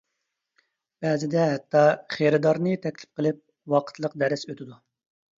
بەزىدە ھەتتا خېرىدارنى تەكلىپ قىلىپ ۋاقىتلىق دەرس ئۆتىدۇ.